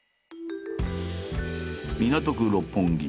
港区六本木。